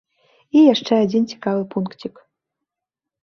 І яшчэ адзін цікавы пункцік.